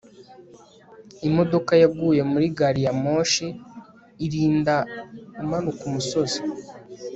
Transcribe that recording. imodoka yaguye muri gari ya moshi irinda umanuka umusozi